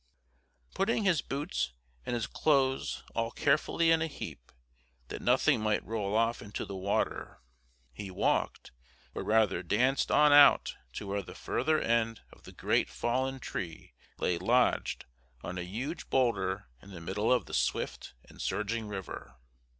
Putting his boots and his clothes all carefully in a heap, that nothing might roll off into the water, he walked, or rather danced on out to where the further end of the great fallen tree lay lodged on a huge boulder in the middle of the swift and surging river.